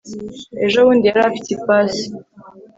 ejo bundi yari afite ipasi